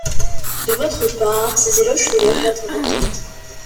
De votre part, ces éloges feraient perdre la tête...